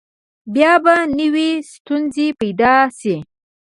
بیا به نوي ستونزې پیدا شي.